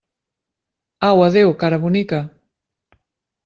Au, adéu, cara bonica!